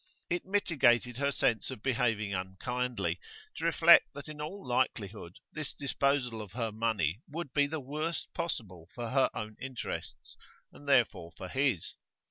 It mitigated her sense of behaving unkindly to reflect that in all likelihood this disposal of her money would be the worst possible for her own interests, and therefore for his.